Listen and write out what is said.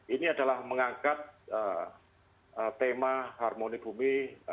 ini adalah mengangkat tema harmoni bumi